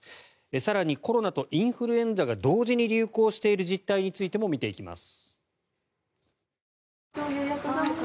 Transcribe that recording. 更にコロナとインフルエンザが同時に流行している実態についても見ていきます。